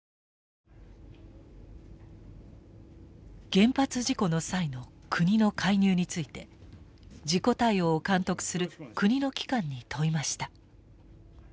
原発事故の際の国の介入について事故対応を監督する国の機関に問いました。